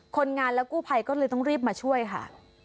คนงานและกู้ภัยก็เลยต้องรีบมาช่วยค่ะ